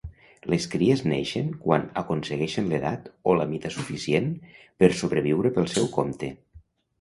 Les cries neixen quan aconsegueixen l'edat o la mida suficient per sobreviure pel seu compte.